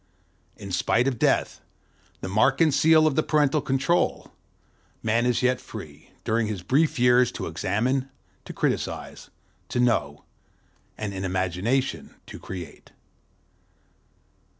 In spite of Death, the mark and seal of the parental control, Man is yet free, during his brief years, to examine, to criticize, to know, and in imagination to create.